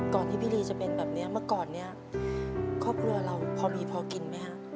ที่พี่ดีจะเป็นแบบนี้เมื่อก่อนนี้ครอบครัวเราพอมีพอกินไหมฮะ